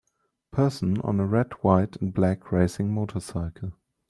Person on a red white and black racing motorcycle